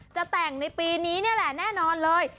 จะแต่งในปีนี้นี่แหละแน่นอนเลย